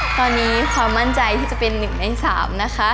ตอนนี้ความมั่นใจที่จะเป็น๑ใน๓นะคะ